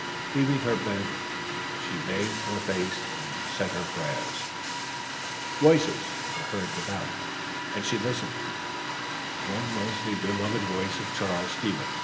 Leaving her bed, she bathed her face and said her prayers. Voices were heard without, and she listened. One was the well beloved voice of Charles Stevens.